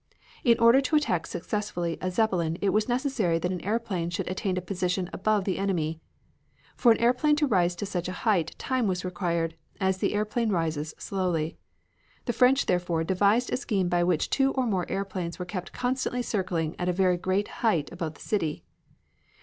In order to attack successfully a Zeppelin it was necessary that an airplane should attain a position above the enemy. For an airplane to rise to such a height time was required, as the airplane rises slowly. The French, therefore, devised a scheme by which two or more airplanes were kept constantly circling at a very great height above the city.